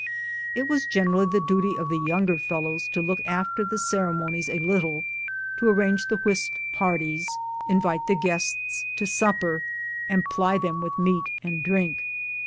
It was generally the duty of the younger Fellows to look after the ceremonies a little, to arrange the whist parties, invite the guests to supper, and ply them with meat and drink.